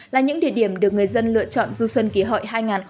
là những địa điểm được người dân lựa chọn du xuân kỷ hội hai nghìn một mươi chín